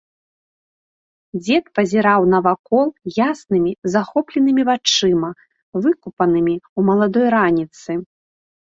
Дзед пазіраў навакол яснымі, захопленымі вачыма, выкупанымі ў маладой раніцы.